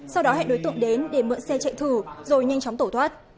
sau đó hẹn đối tượng đến để mượn xe chạy thù rồi nhanh chóng tổ thoát